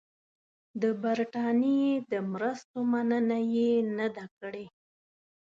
د برټانیې د مرستو مننه یې نه ده کړې.